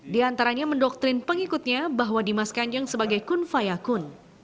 di antaranya mendoktrin pengikutnya bahwa dimas kanjeng sebagai kun fayakun